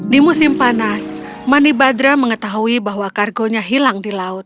di musim panas manibadra mengetahui bahwa kargonya hilang di laut